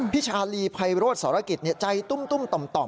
พิชาลีไพโรธศรกิจใจตุ้มต่อ